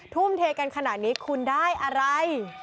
ทุ่มเทกันขนาดนี้คุณได้อะไร